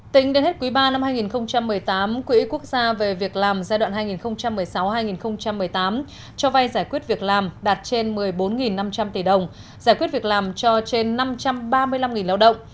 tính đến hết quý ba năm hai nghìn một mươi tám quỹ quốc gia về việc làm giai đoạn hai nghìn một mươi sáu hai nghìn một mươi tám cho vay giải quyết việc làm đạt trên một mươi bốn năm trăm linh tỷ đồng giải quyết việc làm cho trên năm trăm ba mươi năm lao động